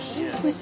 牛？